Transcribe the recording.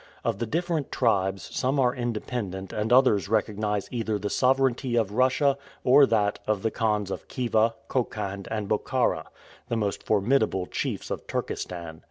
Of the different tribes some are independent and others recognize either the sovereignty of Russia or that of the Khans of Khiva, Khokhand, and Bokhara, the most formidable chiefs of Turkestan.